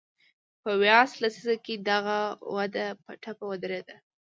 په ویاس لسیزه کې دغه وده په ټپه ودرېده.